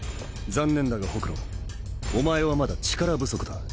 残念だがホクロお前はまだ力不足だ。